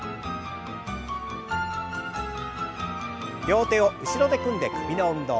両手を後ろで組んで首の運動。